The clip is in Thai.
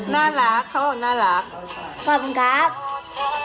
น่ารักเขาบอกน่ารักขอบคุณครับ